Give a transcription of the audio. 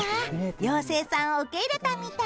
妖精さんを受け入れたみたい。